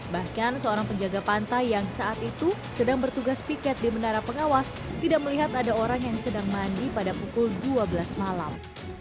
bahkan seorang penjaga pantai yang saat itu sedang bertugas piket di menara pengawas tidak melihat ada orang yang sedang mandi pada pukul dua belas malam